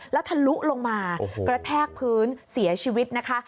แล้วทะลุลงมากระแทกพื้นเสียชีวิตนะคะ